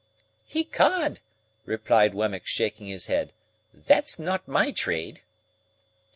"Ecod," replied Wemmick, shaking his head, "that's not my trade."